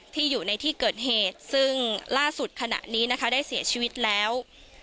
อยู่ในที่เกิดเหตุซึ่งล่าสุดขณะนี้นะคะได้เสียชีวิตแล้ว